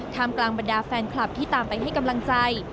มกลางบรรดาแฟนคลับที่ตามไปให้กำลังใจ